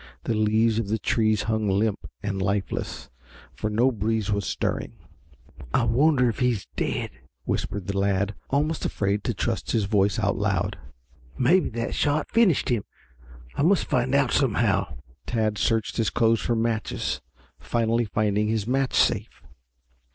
The leaves of the trees hung limp and lifeless, for no breeze was stirring. "I wonder if he's dead," whispered the lad, almost afraid to trust his voice out loud. "Maybe that shot finished him. I must find out somehow." Tad searched his clothes for matches, finally finding his match safe.